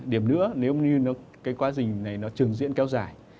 điểm nữa nếu như cái quá trình này nó trừng diễn kéo dài